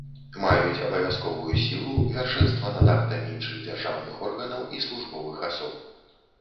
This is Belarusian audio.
Маюць абавязковую сілу, вяршэнства над актамі іншых дзяржаўных органаў і службовых асоб.